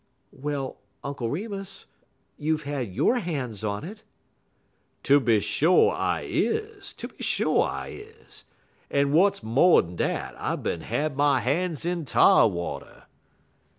"Well, Uncle Remus, you've had your hands on it." "Tooby sho' I is tooby sho' I is! En w'at's mo' dan dat, I bin had my han's in tar water."